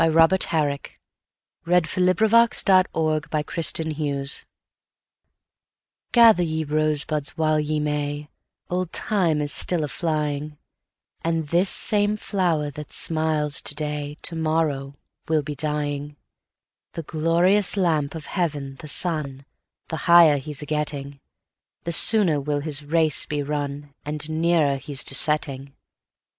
Robert Herrick. 1591–1674 248. To the Virgins, to make much of Time GATHER ye rosebuds while ye may, Old Time is still a flying: And this same flower that smiles to day To morrow will be dying. The glorious lamp of heaven, the sun, 5 The higher he 's a getting, The sooner will his race be run, And nearer he 's to setting.